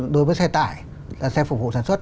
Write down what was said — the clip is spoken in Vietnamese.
đối với xe tải xe phục vụ sản xuất